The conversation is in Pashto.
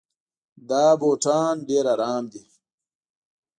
دا بوټان ډېر ارام دي.